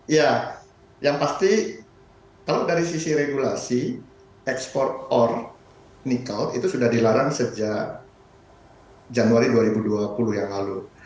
ya yang pasti kalau dari sisi regulasi ekspor or nikel itu sudah dilarang sejak januari dua ribu dua puluh yang lalu